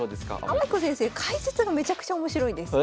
天彦先生解説がめちゃくちゃ面白いです。